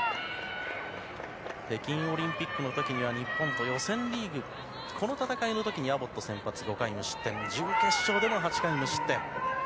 北京オリンピックのときには日本と予選リーグ、この戦いのときに、アボット先発、５回無失点、準決勝でも、８回無失点。